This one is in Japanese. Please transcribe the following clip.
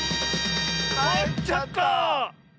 かえっちゃった！